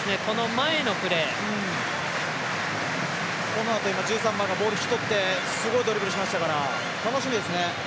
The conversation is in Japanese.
このあと１３番ボール引き取ってすごいドリブルしましたから楽しみですね。